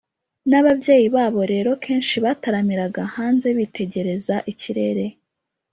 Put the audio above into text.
n’ababyeyi babo rero kenshi bataramiraga hanze, bitegereza ikirere